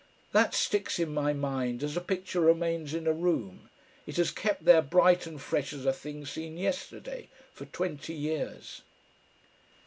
That sticks in my mind as a picture remains in a room, it has kept there bright and fresh as a thing seen yesterday, for twenty years....